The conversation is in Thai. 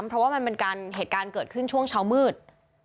เพราะว่ามันเป็นการเหตุการณ์เกิดขึ้นช่วงเช้ามืด